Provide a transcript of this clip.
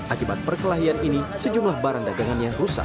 akibat perkelahian ini sejumlah barang dagangannya rusak